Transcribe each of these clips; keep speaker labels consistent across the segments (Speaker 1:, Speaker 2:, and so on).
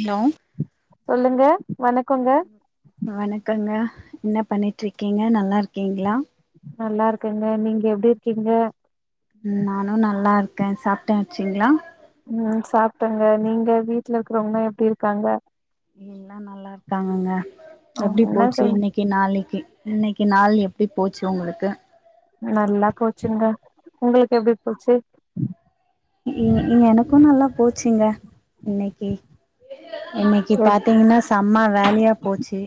Speaker 1: ல்லோ
Speaker 2: சொல்லுங்க வணக்கோங்க
Speaker 1: வணக்கங்க என்ன பண்ணிட்ருக்கிங்க நல்லாருக்கீங்களா
Speaker 2: நல்லாருக்கங்க நீங்க எப்டிருக்கீங்க
Speaker 1: நானு நல்லாருக்க சாப்டாச்சுங்களா
Speaker 2: ம் சாப்டங்க நீங்க வீட்லருக்குறவங்க எப்டி இருக்காங்க
Speaker 1: எல்லா நல்லாருக்காங்கங்க
Speaker 2: அவங்க
Speaker 1: எப்டி
Speaker 2: என்ன
Speaker 1: போச்சு
Speaker 2: செய்
Speaker 1: இன்னை க்கி நாளைக்கி இன்னக்கி நாள் எப்டி போச்சு உங்களுக்கு
Speaker 2: நல்லா போச்சுங்க உங்களுக்கு எப்டி போச்சு
Speaker 1: ம் ம் எனக்கு நல்லா போச்சுங்க இன்னக்கி இன்னக்கி
Speaker 2: எட்
Speaker 1: பாத்திங்கனா செம்ம வேலையா போச்சு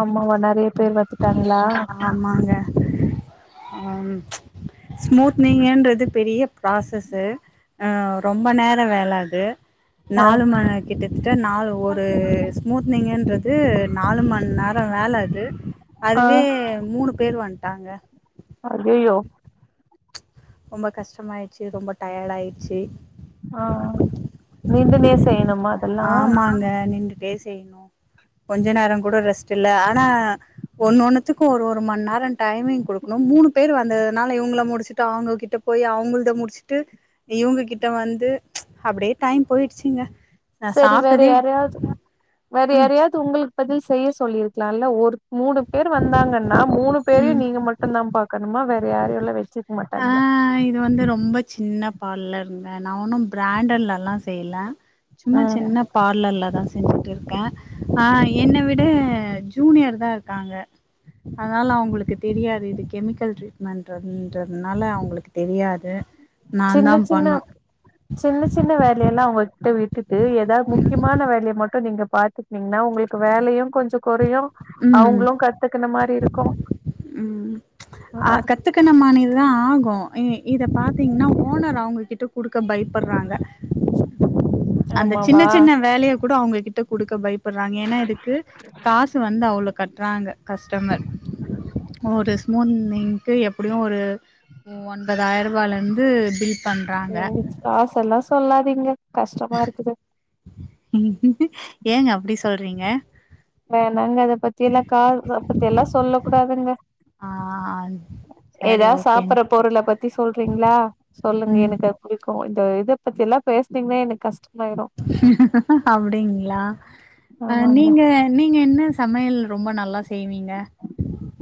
Speaker 2: ஆமாவா நறய பேரு வத்துட்டாங்களா
Speaker 1: ஆ ஆமாங்க அம் ஸ்மூத்னிங்கன்றது பெரிய ப்ராசஸு ஆ ரொம்ப நேர வேல அது
Speaker 2: ஆ
Speaker 1: நாலு மண கிட்டதிட்ட நாலு ஒரு மூத்னிங்கன்றது நாலு மண் நேர வேல அது
Speaker 2: ஆ
Speaker 1: அதுவே மூணு பேரு வந்டாங்க
Speaker 2: அய்யயோ
Speaker 1: ரொம்ப கஷ்டமாயிச்சு ரொம்ப டையடா ஆயிச்சு
Speaker 2: ஆ மீண்டுமே செய்ணுமா அதல்லா
Speaker 1: ஆங்க நின்டு டே செய்ணு கொஞ்ச நேர கூட ரெஸ்டு இல்ல ஆனா ஒன்னு ஒன்னுத்துக்கு ஒரு ஒரு மண் நேர டைமிங் குடுக்குனு மூணு பேரு வந்ததுனால இவுங்ள முடிச்சிட்டு அவுங்க கிட்ட போய் அவுங்ளுத முடிச்சுட்டு இவுங்ககிட்ட வந்து அப்டியே டைம் போய்ச்சுங்க
Speaker 2: சரி வேற யாரையாது வேற
Speaker 1: ம்
Speaker 2: யாரையாது உங்குளு பதி செய்ய சொல்லிருக்கலால்ல ஒரு மூணு பேரு வந்தாங்கன்னா மூணு பேரையு
Speaker 1: ம்
Speaker 2: நீங்க ம ட்டு்ந்தா பாக்கணுமா வேற யாரையுல்லா வச்சு
Speaker 1: ஆ இது வந்து ரொம்ப சின்ன பால்லருந்த நா ஒன்னு பிராண்டல்லல்லா செய்ல சும்மா
Speaker 2: ம்
Speaker 1: சின்ன பார்லல்ல தா செஞ்சுட்டுருக்க ஆ என்ன விட ஜூனியர் தா இருக்காங்க அதனால அவங்களுக்கு தெரியாது இது கெமிக்கல் ட்ரீட்மெண்ட ட்றதுனால அவுங்களுக்கு தெரியாது நா
Speaker 2: சின்ன
Speaker 1: தா
Speaker 2: சின்ன
Speaker 1: பண்ணு
Speaker 2: சின்ன சின்ன வேலையல்லா அவுங்ளு ட்ட விட்டுட்டு ஏதா முக்கிமான வேலைய மட்டு நீங்க பாத்துக்கிங்னா ஒங்களுக்கு வேலையு கொஞ்ச கொறயு
Speaker 1: ம்
Speaker 2: அவங்ளு கத்துக்கன மாரி இருக்கு அது
Speaker 1: த்துக்கனமாநீ தா ஆகு இ இத பாத்தீங்னா ஓனர் அவங்கிட்ட குடுக்க பைய்பறாங்க [inaudible] அந்த சின்ன
Speaker 2: ஆமாவா
Speaker 1: சின்ன வேலய கூட அவுங்க கிட்ட குடுக்க பையப்புறாங்க ஏனா இதுக்கு காசு வந்து அவ்ளோ கட்றாங்க கஸ்டமர் ஒரு ஸ்மூன் இங்கு எப்டியு ஒரு ஒன்பதாயிரவலந்து பில் பண்றாங்க
Speaker 2: எங் காசல்லா சொல்லாதிங்க கஷ்டமாருக்குது
Speaker 1: ஏங்க அப்டி சொல்றீங்க
Speaker 2: வேணாங்க அத பத்தில்லா கா ச பத்தில்லா சொல்ல கூடாதுங்க
Speaker 1: ஆ ஆந்
Speaker 2: ஏதா சாப்பிற பொருள பத்தி சொல்றீங்களா சொல்லுங்க
Speaker 1: ம்
Speaker 2: எனக்கு புடிக்கு இந்த இதை பத்தி எல்லா பேசுனீங்கன்னா எனக்கு கஷ்டமாயிரு
Speaker 1: அப்படிங்களா ஆ
Speaker 2: ஆமாங்க
Speaker 1: நீங்க நீங்க என்ன சமையல் ரொம்ப நல்லா செய்வீங்க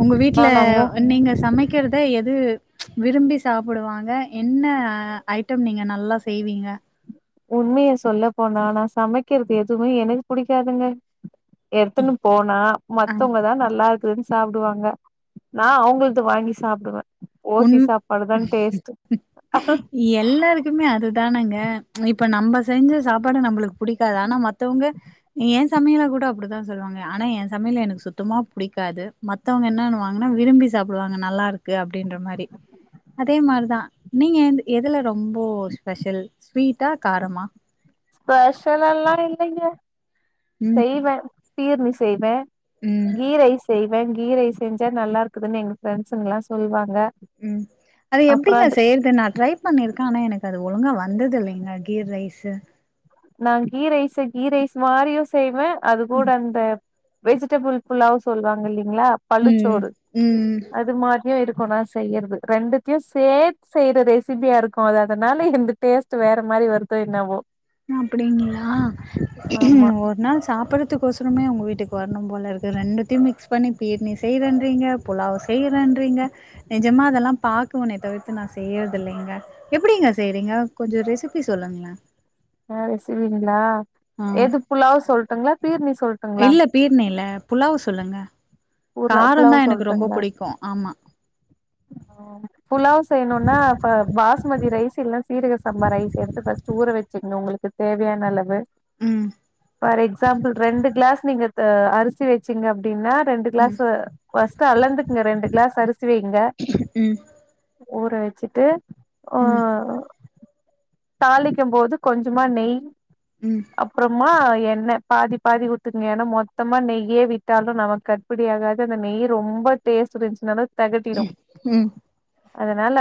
Speaker 1: உங்க வீட்டுல
Speaker 2: நானாங்க
Speaker 1: நீங்க சமை சமைக்கிறத எது விரும்பி சாப்பிடுவாங்க என்ன ஐட்டம் நீங்க நல்லா செய்வீங்க
Speaker 2: உண்மையை சொல்ல போனா நா சமைக்கிறது எதுவுமே எனக்கு புடிக்காதுங்க எடுத்துன்னு போனா
Speaker 1: அ
Speaker 2: மத்தவங்கதா நல்லா இரு ரென்ஸ் சாப்டுவாங்க நா அவங்கள்து வாங்கி சாப்டுவே
Speaker 1: உண்
Speaker 2: ஓசி சாப்பாடு தா டேஸ்ட்டு
Speaker 1: எல்லாருக்குமே அதுதானங்க இப்ப நம்ம செஞ்ச சாப்பாடு நம்மளுக்கு புடிக்காது ஆனா மத்தவங்க எ சமையல கூட அப்டித்தா சொல்லுவாங்க ஆனா எ சமையல எனக்கு சுத்தமா புடிக்காது மத்தவங்க என்னனுவாங்கனா விரும்பி சாப்டுவாங்க நல்லாருக்கு அப்டின்ற மாரி அதே மாரிதா நீங்க எ எதுல ரொம்போ ஸ்பெஷல் ஸ்வீட்டா காரமா
Speaker 2: ஸ்பெஷலல்லா இல்லங்க
Speaker 1: ம்
Speaker 2: செய்வே பீர்னி செய்வே
Speaker 1: ம்
Speaker 2: கீ ரைஸ் செய்வே கீ ரைஸ் செஞ்சா நல்லா இருக்குதுன் எங்க ஃப்ரெண்ட்ஸுங்கலா சொல்வாங்க
Speaker 1: ம் அது
Speaker 2: அப்றோ
Speaker 1: எப்டிங்க
Speaker 2: அது
Speaker 1: செய்யறது நா ட்ரை பண்ணிருக்கே ஆனா எனக்கு அது ஒழுங்கா வந்தது இல்லைங்க கீ ரைஸு
Speaker 2: நா கீ ரைஸ கீ ரைஸ் மாரியு செய்வே அது கூட அந்த வெஜிடெபிள் புலாவ் சொல்லுவாங்க இல்லலைங்ளா
Speaker 1: ம்
Speaker 2: பல்லுச்சோறு
Speaker 1: ம்
Speaker 2: அது மா [unintelligible] இருக்கு நா செய்யறது ரெண்டுத்தையு சேத் செய்யற ரெசிபியா இருக்கு அது அதனால என்து டேஸ்ட் வேற மாரி வருதோ என்னாவோ
Speaker 1: அப்டிங்களா
Speaker 2: ஆமா
Speaker 1: ஒரு நாள் சாப்பட்றதுக்கு ஒச ரமே உங்க வீட்டுக்கு வரணும் போல இருக்கு ரெண்டுத்தையு மிக்ஸ் பண்ணி பீர்னி செயறேன்றீங்க புலாவ் செயறேன்றீங்க நெஜமா அதெல்லா பாக்குவனே தவிர்த்து நா செய்யறதில்லைங்க எப்டிங்க செய்றீங்க கொஞ்சோ ரெசிப்பி சொல்லுங்ளே
Speaker 2: ஆ ரெசிபிங்ளா
Speaker 1: ஆ
Speaker 2: எது புலாவு சொல்ட்டுங்களா பீர்னி சொல்
Speaker 1: இல்ல பீர்னில புலாவ் சொல்லுங்க
Speaker 2: புலா
Speaker 1: காரோ தா
Speaker 2: புலாவ்
Speaker 1: எனக்கு ரொம்ப
Speaker 2: சொல்ட்டுங்களா
Speaker 1: புடிக்கு ஆம்மா
Speaker 2: புலாவ் செய்யணுனா பா பாஸ்மதி ரைஸ் இல்னா சீரக சாம்பா ரைஸ் எடுத்து ஃபஸ் ட்டு ஊற வச்சுக்கணு உங்களுக்கு தேவையான அளவு
Speaker 1: ம்
Speaker 2: ஃபார் எக்ஸாம்பிள் ரெண்டு க் ளாஸ் நீங்க த அரிசி வச்சீங்க அப்டின்னா ரெண்டு
Speaker 1: ம்
Speaker 2: கிளாஸ்ஸூ ஃபஸ்ட்டு அளந்துக்ங்க ரெண்டு க்ளாஸ் அரிசி வைங்க
Speaker 1: ம்
Speaker 2: ஊற வச்சிட்டு
Speaker 1: ம்
Speaker 2: அ தாளிக்கும் போது கொஞ்சமா நெய்
Speaker 1: ம்
Speaker 2: அப்பறமா எண்ணெ பாதி பாதி ஊத்துங்க ஏன்னா மொத்தமா நெய்யே விட்டாலு நமக்கு க ட்படி ஆகாது அந்த நெய் ரொம்ப டேஸ்ட் இருந்துச்சுனாலு தெகட்டிடு
Speaker 1: ம்
Speaker 2: அதனால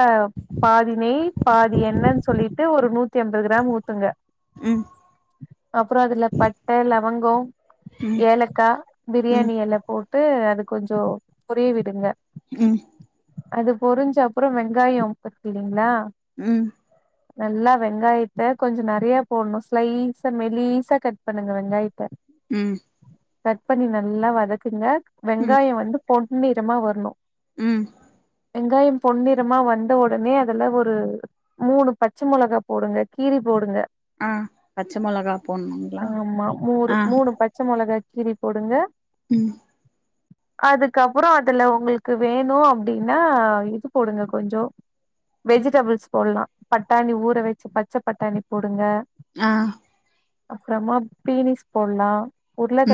Speaker 2: பாதி நெய் பாதி எண்ணென் சொல்லிட்டு ஒரு நூத்தி அம்பது கிராம் ஊத்துங்க
Speaker 1: ம்
Speaker 2: அப்றோ அதுல பட்ட லவங்கோ ஏலக்கா
Speaker 1: ம்
Speaker 2: பிரியாணி எல போட்டு அது கொஞ்சோ பொரிய விடுங்க
Speaker 1: ம்
Speaker 2: அது பொரிஞ்ச அப்றோ வெங்காயோ [unintelligible] ங்ளா
Speaker 1: ம்
Speaker 2: நல்லா வெங்காயத்த கொஞ்சோ நெறைய போட்ணு ஸ்லைஸா மெலிசா கட் பண்ணுங்க வெங்காயத்த
Speaker 1: ம்
Speaker 2: கட் பண்ணி நல்லா வதக்குங்க
Speaker 1: ம்
Speaker 2: வெங்காய வந்து பொன்னிறமா வரணு
Speaker 1: ம்
Speaker 2: வெங்காயம் பொன்னிறமா வந்த ஒடனே அதுல ஒரு மூணு பச்ச மொளகா போடுங்க கீறி போடுங்க
Speaker 1: ஆ பச்சை மொளகா போட்ணுங்ளா
Speaker 2: ஆமா மூறு
Speaker 1: ஆ
Speaker 2: மூணு பச்ச மோளகா கீரி போடுங்க
Speaker 1: ம்
Speaker 2: அதுக்கப்பற அதுல உங்களுக்கு வேணு அப்டின்னா இது போடுங்க கொஞ்சோ வெஜிடபள்ஸ் போடுலா பட்டாணி ஊற வச்சு பச்ச பட்டாணி போடுங்க
Speaker 1: ஆ
Speaker 2: அப்பறமா பீன்ஸ் போட்லா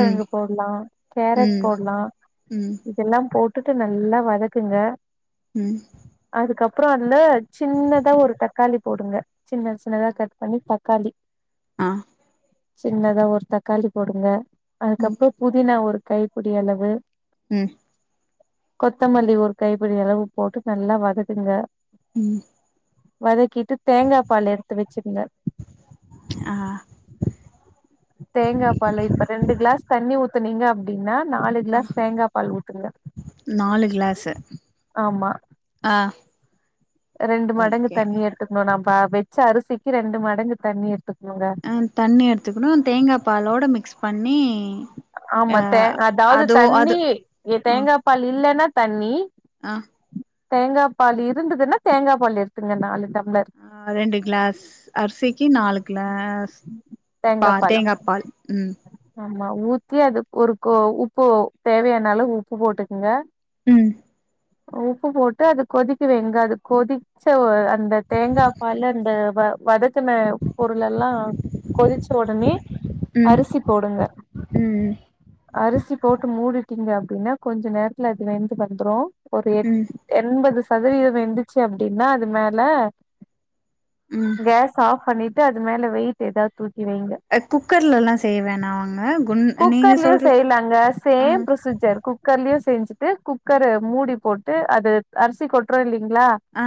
Speaker 1: ம்
Speaker 2: போடுலா கரட்
Speaker 1: ம்
Speaker 2: போடுலா
Speaker 1: ம்
Speaker 2: இதல்லா போட்டுட்டு நல்லா வதக்குங்க
Speaker 1: ம்
Speaker 2: அதுக்கு அப்பற வந்து சின்னதா ஒரு தக்காளி போடுங்க சின்ன சின்னதா கட் பண்ணி தக்காளி
Speaker 1: ஆ
Speaker 2: சின்னதா ஒரு தக்காளி போடுங்க அதுக்கு
Speaker 1: ம்
Speaker 2: அப்பற புதினா ஒரு கைப்புடி அளவு
Speaker 1: ம்
Speaker 2: கொத்தமல்லி ஒரு கைபுடி அளவு போட்டு நல்லா வதக்குங்க
Speaker 1: ம்
Speaker 2: வதக்கிட்டு தேங்கா பால் எடுத்து வச்சிருங்க
Speaker 1: ஆ
Speaker 2: தேங்கா பால்லு இப்ப ரெண்டு கிளாஸ் தண்ணி ஊத்துன்னிங்க அப்டின்னா நாலு
Speaker 1: ஆ
Speaker 2: கிளாஸ் தேங்கா பால் ஊத்துங்க
Speaker 1: நாலு கிளாஸு
Speaker 2: ஆமா
Speaker 1: ஆ
Speaker 2: ரெண்டு மடங்கு
Speaker 1: ஓகே
Speaker 2: தண்ணி எடுத்துக்கணு நம்ப வெச்ச அரிசிக்கு ரெண்டு மடங்கு தண்ணி எடுத்துக்கணுங்க
Speaker 1: அ தண்ணி எடுத்துக்கணு அந்த தேங்கா பாலோட மிக்ஸ் பண்ணி ஆ
Speaker 2: ஆமா தே அதாவது
Speaker 1: அதோ
Speaker 2: தண்ணி
Speaker 1: அது ம்
Speaker 2: தேங்கா பால் இல்லனா தண்ணி
Speaker 1: ஆ
Speaker 2: தேங்கா பால் இருந்துன்னா தேங்கா பால் எடுத்துங்க நாலு டம்ளர்
Speaker 1: அ ரெண்டு கிளாஸ் அர் அரிசிக்கு நாலு கிளாஸ் பா தேங்கா பால் ம்
Speaker 2: ஆமா ஊத்தி அது ஒரு கோ உப்பு தேவையான அளவு உப்பு போட்டுக்குங்க
Speaker 1: ம்
Speaker 2: உப்பு போட்டு அது கொதிக்க வைங்க கொதி ச்ச அ அந்த தேங்கா பால் அந்த வ வதக்குன பொருள் எல்லா கொதிச்ச உடனே
Speaker 1: ம்
Speaker 2: அரிசி போடுங்க
Speaker 1: ம்
Speaker 2: அரிசி போட்டு மூடிடீங்க அப்டின்னா கொஞ்ச நேரத்துல அது வெந்து வந்துரு ஒரு எட்
Speaker 1: ம்
Speaker 2: எண்பது சதவீத வெந்துச்சு அப்டினா அது மேல
Speaker 1: ம்
Speaker 2: கேஸ் ஆஃப் பண்ணிட்டு அது மேல வெயிட் ஏதாது தூக்கி வைங்க
Speaker 1: குக்கர்லல்லா செய்ய வேணாங்க குண் நீங்க
Speaker 2: குக்கர்லயு
Speaker 1: சொல்றது
Speaker 2: செய்யலாங்க
Speaker 1: ஆ
Speaker 2: சேம் ப்ரோசீஜர் குக் குக்கர்லயு செஞ்சுட்டு குக்கர் மூடி போட்டு அது அரிசி கொட் கொட்றோல்லிங்களா
Speaker 1: ஆ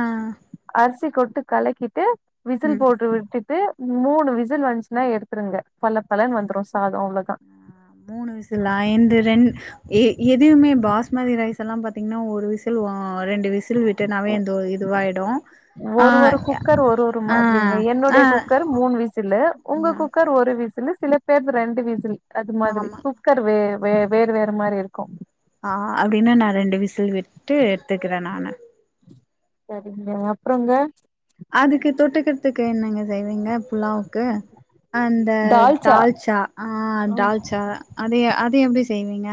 Speaker 2: அரிசி போட்டு கலக்கிட்டு விசுல்
Speaker 1: ம்
Speaker 2: போட்டு விட்டு டு மூணு விசுல் வந்துச்சுன்னா எடுத்துருங்க பல பலன்னு வந்துடு சாத அவ்வளவுதா
Speaker 1: மூணு விசுலா என்து ரெண் எ ஏ எதுமே பாஸ்சுமதி ரைஸ் எல்லா பாத்தீங்கன்னா ஒரு விசுல் ஓ ரெண்டு விசுல் விட்டு [unintelligible] இதுவாயிடும்
Speaker 2: ஒரு ஒரு குக்கர் ஒரு ஒரு மாதிரிங்க
Speaker 1: ஆ
Speaker 2: என்னோடைய குக்கர் மூணு விசுல்லு உங்க குக் குக்கர் ஒரு விசுல்லு சில குக் சில பேர்து ரெண்டு விசுல் அது மாதிரி
Speaker 1: ஆமா
Speaker 2: குக்கர் வே வேறு வேற மாதிரி இருக்கும்
Speaker 1: ஆ அப்டின்னா நா ரெண்டு விசுல் விட்டு எடுத்துக்குற நானு
Speaker 2: சரிங்க அப்றோங்க
Speaker 1: அதுக்கு தொட்டுகிர்துக்கு என்னங்க செய்விங்க புலாவ்க்கு அந்த
Speaker 2: தால்ச்சா
Speaker 1: டால்ச்சா ஆ
Speaker 2: ஆ
Speaker 1: டால்ச்சா அதே அது எப்டி செய்வீங்க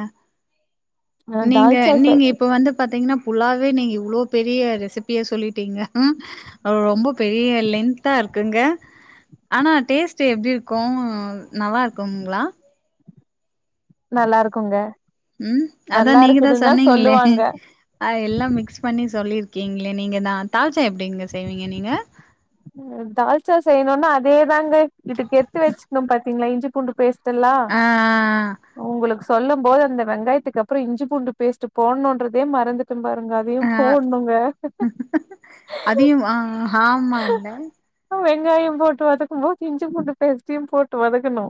Speaker 1: நீங்க
Speaker 2: தால்ச்சா செ
Speaker 1: நீங்க இப்ப வந்து பாத்தீங்னாப் புலாவே நீங்க இவ்ளோ பெரிய ரெசிபியா சொல்லிட்டீங்க அ ரொம்ப பெரிய லென்த்தா இருக்குங்க ஆனா டேஸ்ட்டு எப்டிருக்கு நல்லார்க்குங்ளா
Speaker 2: நல்லார்க்குங்க
Speaker 1: ம் அதா நீங்கதா சொன்னீங்ளே
Speaker 2: சொல்லுவாங்க
Speaker 1: அ எல்லா மிக்ஸ் பண்ணி சொல்லிர்க்கீங்ளே நீங்கனா தால்ச்சா எப்டிங்க செய்வீங்க நீங்க
Speaker 2: அ தால்ச்சா செய்ணுன்னா அதேதாங்க இட்டுக் எத்து வெச்சுக்ணும் பாத்தீங்ளா இஞ்சி பூண்டு பேஸ்ட் டெல்லா
Speaker 1: ஆ
Speaker 2: உங்குளுக் சொல்லும் போது அந்த வெங்காயத்துக்கப்றோ இஞ்சி பூண்டு பேஸ்ட்டு போன்ணுன்றதே மறந்துட் சம் பாருங்க அதையும்
Speaker 1: ஆ
Speaker 2: போன்ணுங்க
Speaker 1: வா ஹாம்மா இல்ல
Speaker 2: வெங்காயம் போட்டு வதக்கும் போது இஞ்சி பூண்டு பேஸ்டியும் போட்டு வதக்கணு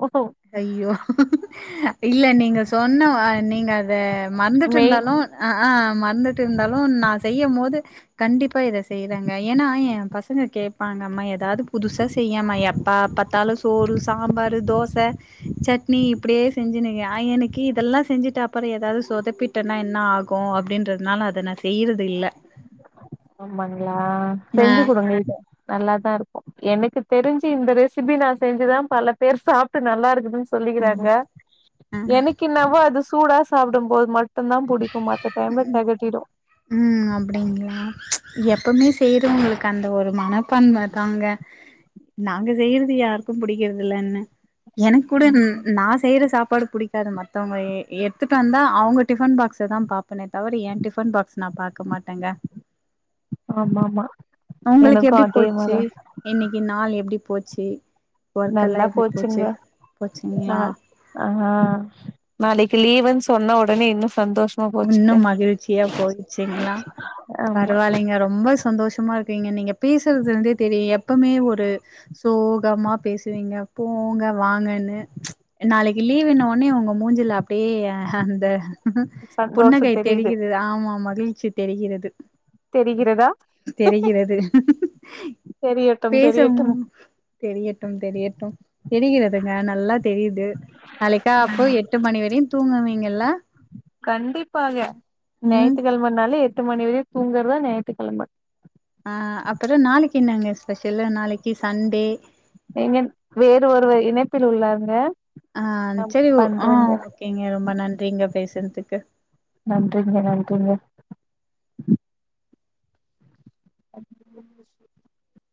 Speaker 1: ஐய்யோ இல்ல நீங்க சொன்னவா நீங்க அத
Speaker 2: மெய்
Speaker 1: மறந்துட்ருந்தாலு அ அ மறந்துட்டு இருந்தாலு நா செய்யம்மோது கண்டிப்பா இத செய்றங்கே எனா எம் பசங்க கேப்பாங்க அம்மா எதாது புதுசா செய்யேமா எப்ப பாத் தாலு சோறு சாம்பாரு தோச சட்னி இப்டியே செஞ்சுனுயா எனுக்கி இதெல்லா செஞ்சிட்டப்பற எதாது சொதப்பிட் டன்னா என்ன ஆகு அப்டின்றதுனால அத நா செய்றது இல்ல
Speaker 2: மண்லா
Speaker 1: ஆ
Speaker 2: செஞ்சு குடுங்க இத நல்லாதா இருக்கு எனக்கு தெரிஞ்சி இந்த ரெசிபி நா செஞ்சுதாம் பலப் பேர் சாப்ட்டு நல்லா இருக்குதுன்ச் சொல்லிகிறாங்க
Speaker 1: ஆ
Speaker 2: எனக்கின்னாவோ அது சூடா சாப்டும் போது மட்டுந்தா புடிக்கும் மத்தட் டைம்ல தெகட்டிடு
Speaker 1: ம் அப்டிங்ளா எப்போமே செய்றவுங்ளுக் கண்ட ஒரு மனப்பான்ம தாங்க நாங்க செய்றது யாருக்கும் புடிக்கிறதில்லன்னு எனக்குடன் நா செய்ற சாப்பாடு புடிக்காது மத்தவுங்க எ எடுத்துட் வந்தா அவுங்க டிஃபன் பாக்ஸதாம் பாப் பனேத் தவர எ டிஃபன் பாக்ஸ் நா பாக்க மாட்டேங்க
Speaker 2: ஆமா ஆமா
Speaker 1: அவுங்களுக்
Speaker 2: எனக்கு
Speaker 1: எப்டி
Speaker 2: அதே
Speaker 1: போச்சி
Speaker 2: மாரிதா
Speaker 1: இன்னிக்கி நாள் எப்டி போச்சி ஒர்க்கல்லா
Speaker 2: நல்லா
Speaker 1: எப்டி போச்சு
Speaker 2: போச்சுங்க
Speaker 1: போச்சுங்ளா
Speaker 2: நாள் ஆ நாளைக்கி லீவுன் சொன்ன உடனே இன்னு சந்தோஷ்
Speaker 1: உன்னு மகிழ்ச்சியாப் போச்சிங்ளா
Speaker 2: ஆமா
Speaker 1: பரவாலைங்க ரொம்ப சந்தோஷமாருக் பீங்க நீங்கப் பேசறதுலந்தேத் தெரியு எப்பமே ஒரு சோகமா பேசுவீங்க போங்க வாங்கனு நாளைகி லீவுன்ன ஒன்னே ஒங்க மூஞ்சில அப்டியே அந்த
Speaker 2: சந்தோஷோ
Speaker 1: புன்னகை
Speaker 2: தெரியுது
Speaker 1: தெரிகிறது ஆமா மகிழ்ச்சி தெரிகிறது
Speaker 2: தெரிகிறதா
Speaker 1: தெரிகிறது
Speaker 2: தெரியட்டும்
Speaker 1: பேசவும்
Speaker 2: தெரியட்டும்
Speaker 1: தெரியட்டும் தெரியட்டும் தெரிகிறதுங்க நல்லா தெரியிது நாளைக்கு ஆப்பு எட்டு மணி வரையுந் தூங்குவீங்கில்ல
Speaker 2: கண்டிப்பாக
Speaker 1: ம்
Speaker 2: ஞயித்து கெழமனாலே எட்டு மணி வரையுத் தூங்கற்தா ஞயித்து கெழம
Speaker 1: அ அப்பறோ நாளைக்கி என்னங்க ஸ்பெஷலு நாளைக்கி சண்டே
Speaker 2: ஏங்க வேறு ஒருவர் இணைப்பில் உள்ளாங்க நா பண்றங்க
Speaker 1: ஏங்க ரொம்ப நன்றிங்க பேசுறதுக்கு
Speaker 2: நன்றிங்க நன்றிங்க [unintelligible]